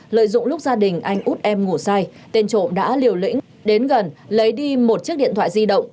lợi dụng lúc gia đình anh út em ngủ sai tên trộm đã liều lĩnh đến gần lấy đi một chiếc điện thoại di động